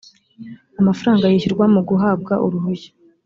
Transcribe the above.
amafaranga yishyurwa mu guhabwa uruhushya